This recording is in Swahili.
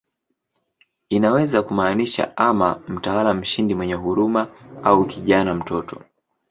Inaweza kumaanisha ama "mtawala mshindi mwenye huruma" au "kijana, mtoto".